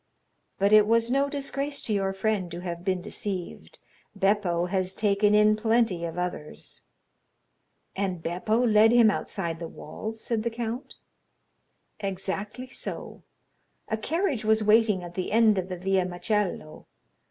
"But it was no disgrace to your friend to have been deceived; Beppo has taken in plenty of others." "And Beppo led him outside the walls?" said the count. "Exactly so; a carriage was waiting at the end of the Via Macello.